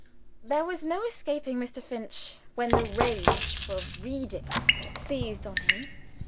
There was no escaping Mr. Finch when the rage for "reading" seized on him.